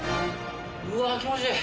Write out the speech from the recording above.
うわぁ気持ちいい。